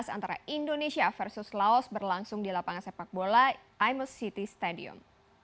antara indonesia versus laos berlangsung di lapangan sepak bola imos city stadium